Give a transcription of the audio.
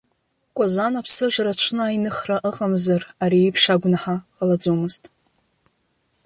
Кәазан аԥсыжра аҽны аиныхра ыҟамзар ари еиԥш агәнаҳа ҟалаӡомызт.